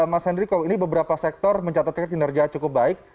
mas hendriko ini beberapa sektor mencatatkan kinerja cukup baik